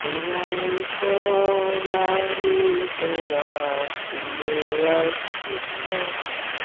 কোন কোন প্রণালী কোন কোন ব্যক্তির পক্ষে উৎকৃষ্ট ফল প্রদান করিয়াছে।